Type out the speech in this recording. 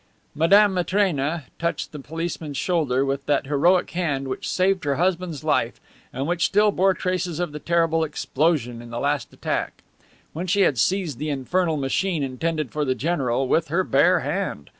Madame Matrena touched the policeman's shoulder with that heroic hand which had saved her husband's life and which still bore traces of the terrible explosion in the last attack, when she had seized the infernal machine intended for the general with her bare hand.